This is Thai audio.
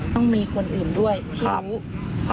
ต้องมีคนอื่นด้วยที่รู้